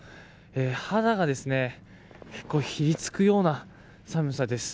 肌がひりつくような寒さです。